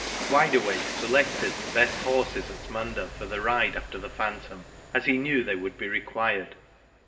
Wide Awake selected the best horses at Munda for the ride after the phantom, as he knew they would be required.